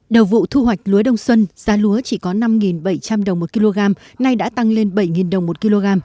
đầu vụ thu hoạch lúa đông xuân giá lúa chỉ có năm bảy trăm linh đồng một kg nay đã tăng lên bảy đồng một kg